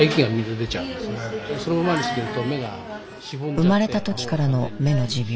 生まれた時からの目の持病。